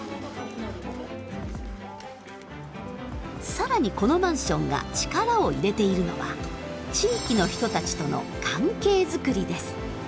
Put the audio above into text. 更にこのマンションが力を入れているのは地域の人たちとの関係作りです。